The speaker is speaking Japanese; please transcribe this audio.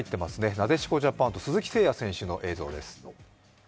なでしこジャパンと鈴木誠也選手の映像です。